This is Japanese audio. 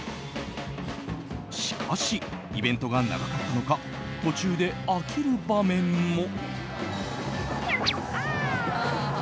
しかし、イベントが長かったのか途中で飽きる場面も。